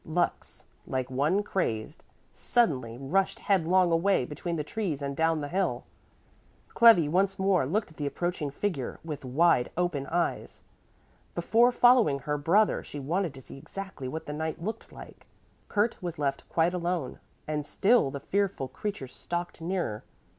Lux, like one crazed, suddenly rushed headlong away between the trees and down the hill. Clevi once more looked at the approaching figure with wide open eyes. Before following her brother she wanted to see exactly what the knight looked like. Kurt was left quite alone, and still the fearful creature stalked nearer.